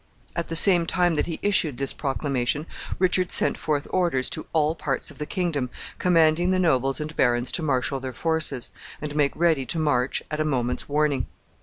At the same time that he issued this proclamation, Richard sent forth orders to all parts of the kingdom, commanding the nobles and barons to marshal their forces, and make ready to march at a moment's warning.